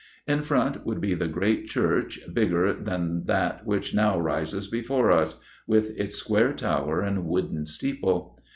In front would be the great church, bigger than that which now rises before us, with its square tower and wooden steeple.